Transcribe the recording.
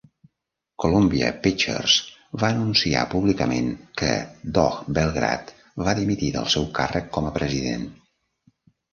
Columbia Pictures va anunciar públicament que Doug Belgrad va dimitir del seu càrrec com a president.